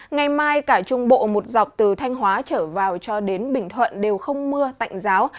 ngày mai cả trung bộ một dọc từ thanh hóa trở vào cho đến bình thuận đều không mưa tạnh giáo